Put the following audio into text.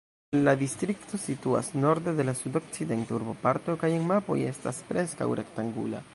La distrikto situas norde de la sud-okcidenta urboparto kaj en mapoj estas preskaŭ rektangula.